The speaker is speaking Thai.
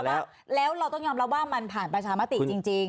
แล้วเราต้องยอมรับว่ามันผ่านประชามติจริง